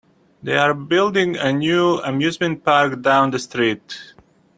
They're building a new amusement park down the street.